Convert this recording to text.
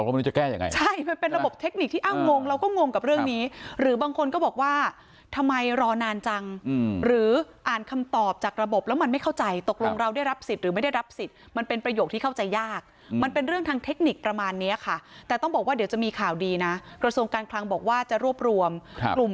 ไม่รู้จะแก้ยังไงใช่มันเป็นระบบเทคนิคที่อ้างงเราก็งงกับเรื่องนี้หรือบางคนก็บอกว่าทำไมรอนานจังหรืออ่านคำตอบจากระบบแล้วมันไม่เข้าใจตกลงเราได้รับสิทธิ์หรือไม่ได้รับสิทธิ์มันเป็นประโยคที่เข้าใจยากมันเป็นเรื่องทางเทคนิคประมาณเนี้ยค่ะแต่ต้องบอกว่าเดี๋ยวจะมีข่าวดีนะกระทรวงการคลังบอกว่าจะรวบรวมกลุ่ม